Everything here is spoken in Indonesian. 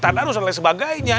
tanah dan lain sebagainya